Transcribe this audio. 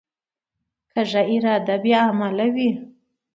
کوږه اراده بې عمله وي